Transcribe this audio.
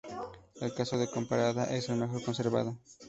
El castro de Comparada es el mejor conservado.